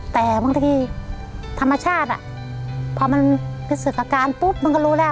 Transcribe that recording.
แต่บางทีธรรมชาติพอมันเป็นศึกอาการปุ๊บมันก็รู้แล้ว